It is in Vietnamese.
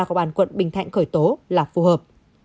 của bàn quận bình thạnh khởi tố là phù hợp